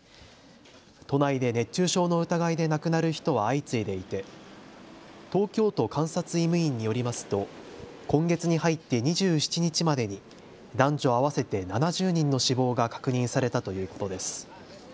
都内で熱中症の疑いで亡くなる人は相次いでいて東京都監察医務院によりますと今月に入って２７日までに男女合わせて７０人の死亡が確認されたということです。